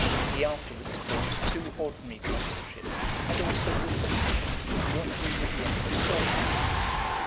He afterwards filled two ordinary consulships , and also the censorship jointly with the emperor Claudius.